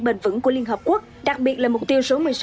bền vững của liên hợp quốc đặc biệt là mục tiêu số một mươi sáu